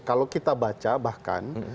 kalau kita baca bahkan